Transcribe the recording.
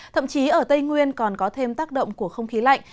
thậm chí ở tây nguyên còn có thêm tác động của không khí lạnh